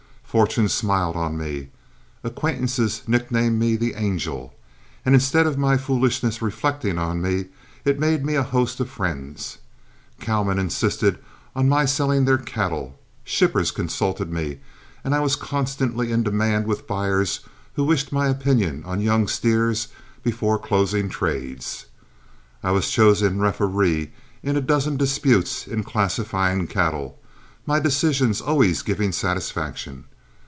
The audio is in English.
Fortune smiled on me, acquaintances nicknamed me "The Angel," and instead of my foolishness reflecting on me, it made me a host of friends. Cowmen insisted on my selling their cattle, shippers consulted me, and I was constantly in demand with buyers, who wished my opinion on young steers before closing trades. I was chosen referee in a dozen disputes in classifying cattle, my decisions always giving satisfaction.